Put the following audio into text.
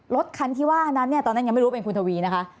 รถคันที่ว่านั้นเนี่ยตอนนั้นยังไม่รู้ว่าเป็นคุณทวีนะคะ